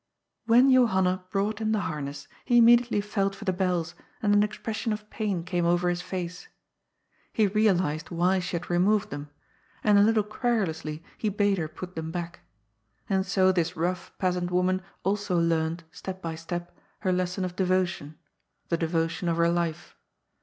When Johanna brought him the harness, he immediately felt for the bells, and an expression of pain came over his face. 48 GOD'S FOOL. He realized why she had removed them; and a little querulously he bade her put them back. And bo this rough peasant woman also learnt, step by step, her lesson of devotion — the devotion of her life.